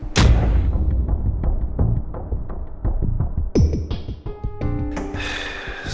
jadi itu panti sama elsa